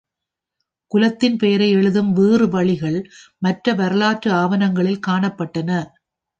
குலத்தின் பெயரை எழுதும் வேறு வழிகள் மற்ற வரலாற்று ஆவணங்களில் காணப்பட்டன.